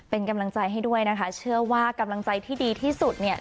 เป็นกำลังใจให้ด้วยนะคะเชื่อว่ากำลังใจที่ดีที่สุดเนี่ย